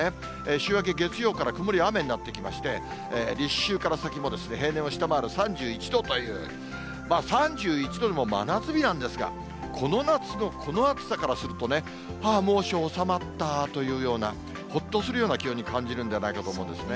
週明け月曜から曇りや雨になってきまして、立秋から先も平年を下回る３１度という、３１度も真夏日なんですが、この夏のこの暑さからするとね、はあ、猛暑収まったーというような、ほっとするような気温に感じるではないかと思うんですね。